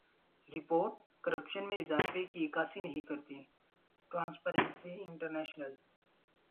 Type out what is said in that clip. report corruption میں اضافے کی عکاسی نہیں کرتی ٹرانسپیرنسی انٹرنیشنل